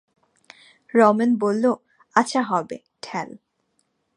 রমেন বলল-আচ্ছা হবে, ঠেল।